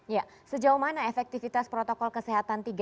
ya sejauh mana efektivitas protokol kesehatan